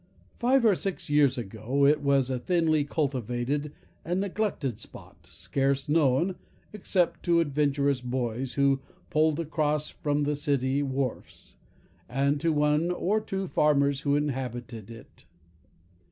Five or six years ago, it was a thinly cultivated and neglected spot, scarce known, except to adventurous boys, who pulled across from the city wharfs, and to the one or two farmers who inhabited it.